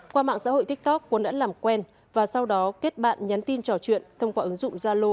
qua mạng xã hội tiktok tuấn đã làm quen và sau đó kết bạn nhắn tin trò chuyện thông qua ứng dụng gia lô